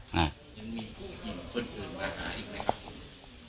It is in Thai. ฮะยังมีผู้หญิงคนอื่นมาหาอีกไหมครับผม